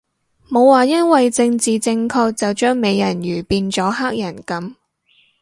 冇話因為政治正確就將美人魚變咗黑人噉